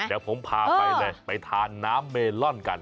เดี๋ยวผมพาไปเลยไปทานน้ำเมลอนกัน